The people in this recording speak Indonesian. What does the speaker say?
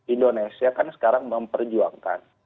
indonesia kan sekarang memperjuangkan